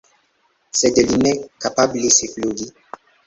Sed li ne kapablis flugi!